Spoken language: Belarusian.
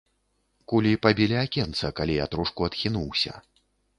Кулі пабілі акенца, калі я трошку адхінуўся.